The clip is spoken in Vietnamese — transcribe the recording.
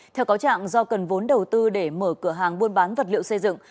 theo cáo trạng do cần vốn đầu tư để mở cửa hàng buôn bán vật liệu xây dựng